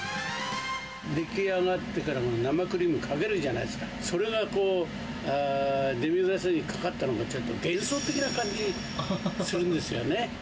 出来上がってから、生クリームかけるじゃないですか、それがこう、デミグラスにかかったのが、ちょっと幻想的な感じするんですよね。